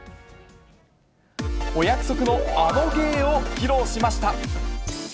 お約束のあの芸を披露しまし